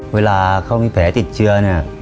เวลาเขามีแผลติดเชื้อเนี่ย